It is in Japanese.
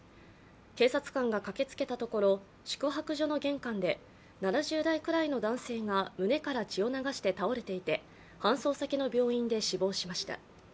警察官が駆けつけたところ宿泊所の玄関で７０代くらいの男性が胸から血を流して倒れていて搬送先の病院で死亡しました。